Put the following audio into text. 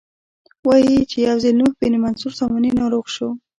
وایي چې یو ځل نوح بن منصور ساماني ناروغ شو.